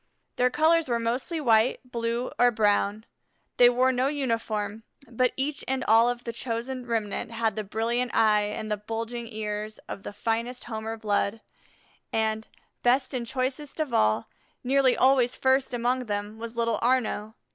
Their colors were mostly white, blue, or brown. They wore no uniform, but each and all of the chosen remnant had the brilliant eye and the bulging ears of the finest Homer blood; and, best and choicest of all, nearly always first among them was little Arnaux.